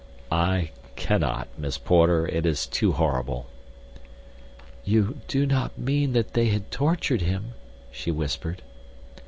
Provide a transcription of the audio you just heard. "I cannot, Miss Porter, it is too horrible." "You do not mean that they had tortured him?" she whispered.